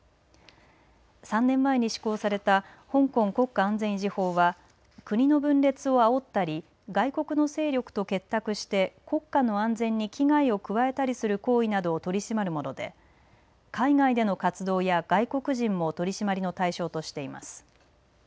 ３年前に施行された香港国家安全維持法は国の分裂をあおったり外国の勢力と結託して国家の安全に危害を加えたりする行為などを取り締まるもので海外での活動や外国人も取り締まりの対象としています。